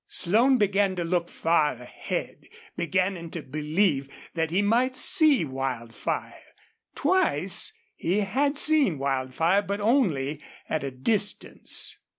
Slone began to look far ahead, beginning to believe that he might see Wildfire. Twice he had seen Wildfire, but only at a distance.